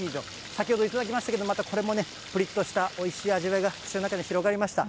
先ほど頂きましたけれども、またこれもね、ぷりっとしたおいしい味わいが口の中に広がりました。